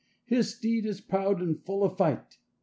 His steed is proud and full of fight.